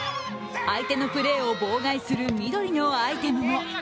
相手のプレーを妨害する緑のアイテムも。